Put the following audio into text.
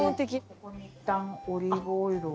ここにいったんオリーブオイルを。